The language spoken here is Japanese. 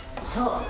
そう。